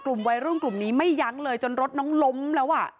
กลุ่มวัยรุ่นกลุ่มนี้ไม่ยั้งเลยจนรถน้องล้มแล้วอ่ะ